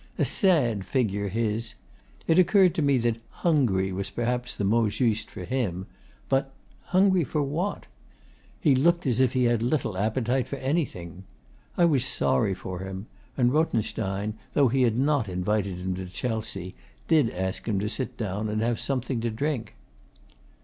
A sad figure, his. It occurred to me that 'hungry' was perhaps the mot juste for him; but hungry for what? He looked as if he had little appetite for anything. I was sorry for him; and Rothenstein, though he had not invited him to Chelsea, did ask him to sit down and have something to drink.